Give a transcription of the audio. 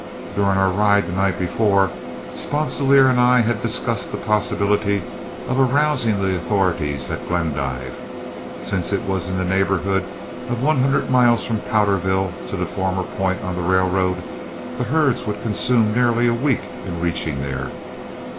During our ride the night before, Sponsilier and I had discussed the possibility of arousing the authorities at Glendive. Since it was in the neighborhood of one hundred miles from Powderville to the former point on the railroad, the herds would consume nearly a week in reaching there.